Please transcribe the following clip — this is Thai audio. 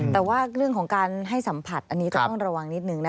แต่ว่าเรื่องของการให้สัมผัสอันนี้ก็ต้องระวังนิดนึงนะคะ